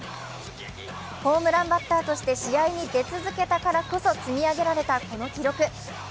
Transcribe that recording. ホームランバッターとして試合に出続けたからこそ積み上げられたこの記録。